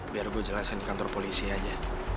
biar gue jelasin di kantor polisi aja